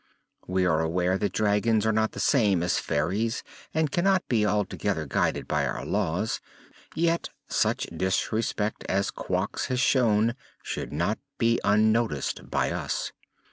We are aware that dragons are not the same as fairies and cannot be altogether guided by our laws, yet such disrespect as Quox has shown should not be unnoticed by us.